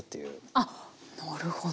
あなるほど。